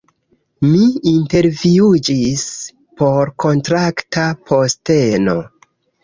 Mi intervjuiĝis por kontrakta posteno